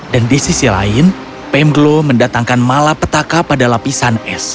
dan di sisi lain pemgelo mendatangkan mala petaka pada lapisan es